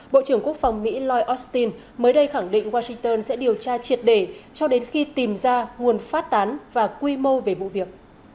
bộ trưởng quốc phòng mỹ lloyd austin mới đây khẳng định washington sẽ điều tra triệt để cho đến khi tìm ra nguồn phát tán và quy mô về vụ việc